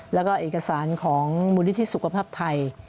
แล้วก็เอกสารของมูลนิธิสุขภาพไทย